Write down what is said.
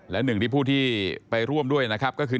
และหนึ่งที่ผู้ที่ไปร่วมด้วยคือ